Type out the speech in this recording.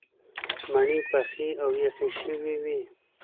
مڼې پخې او یخې شوې وې.